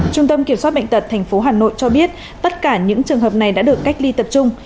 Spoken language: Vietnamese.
trung tâm kiểm soát bệnh tật tp hà nội cho biết tất cả những trường hợp này đã được cách ly tập trung